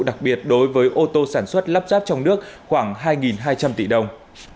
đặc biệt đối với ô tô sản xuất lắp ráp trong nước khoảng hai hai trăm linh tỷ đồng